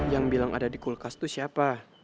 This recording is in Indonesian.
yang bilang ada di kulkas itu siapa